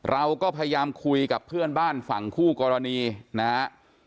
เราก็พยายามคุยกับเพื่อนบ้านฝั่งคู่กรณีนะฮะ